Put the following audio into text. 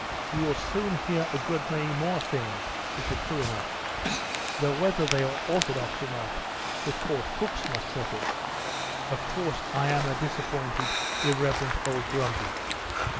You will soon hear a good many more things, which are true enough though whether they are orthodox or not, the court cooks must settle. Of course, I am a disappointed, irreverent old grumbler.